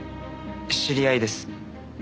知り合いです。